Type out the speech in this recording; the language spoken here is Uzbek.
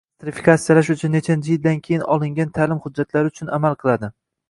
nostrifikatsiyalash uchun nechanchi yildan keyin olingan ta’lim hujjatlari uchun amal qiladi?